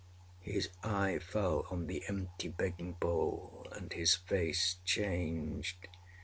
â His eye fell on the empty begging bowl, and his face changed.